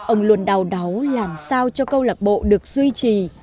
ông luôn đau đáu làm sao cho câu lạc bộ được duy trì